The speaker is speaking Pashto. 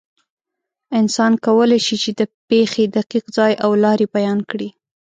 انسان کولی شي، چې د پېښې دقیق ځای او لارې بیان کړي.